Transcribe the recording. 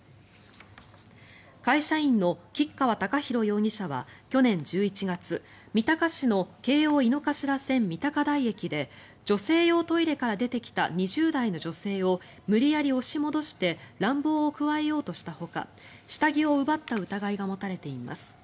会社員の吉川貴大容疑者は去年１１月三鷹市の京王井の頭線三鷹台駅で女性用トイレから出てきた２０代の女性を無理やり押し戻して乱暴を加えようとしたほか下着を奪った疑いが持たれています。